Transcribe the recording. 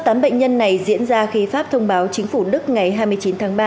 tám bệnh nhân này diễn ra khi pháp thông báo chính phủ đức ngày hai mươi chín tháng ba